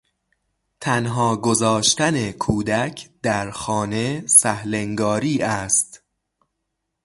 تنها گذاشتن کودک در خانه سهلانگاری است.